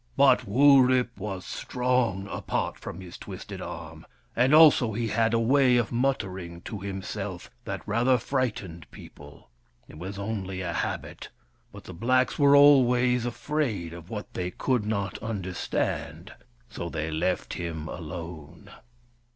But Wurip was strong, apart from his twisted arm ; and also he had a way of muttering to himself that rather frightened people. It was only a habit, but the blacks were always afraid of what they could not understand. So they left him alone.